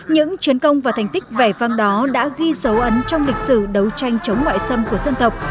những chiến công và thành tích vẻ vang đó đã ghi dấu ấn trong lịch sử đấu tranh chống ngoại xâm của dân tộc